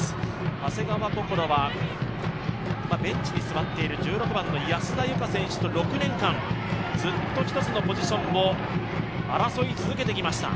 長谷川想はベンチに座っている１６番の安田優花選手と６年間、ずっと１つのポジションを争い続けてきました。